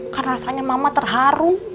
kan rasanya mama terharu